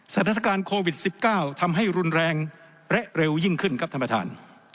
สถานการณ์โควิด๑๙ทำให้รุนแรงและเร็วยิ่งขึ้นครับท่านประธาน